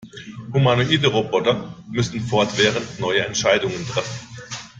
Humanoide Roboter müssen fortwährend neue Entscheidungen treffen.